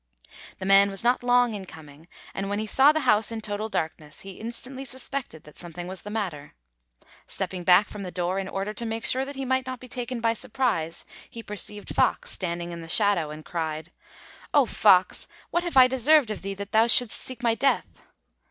The man was not long in coming, and when he saw the house in total darkness he instantly suspected that something was the matter. Stepping back from the door in order to make sure that he might not be taken by surprise, he perceived Fox standing in the shadow, and cried 'O Fox, what have I deserved of thee that thou shouldst seek my death?'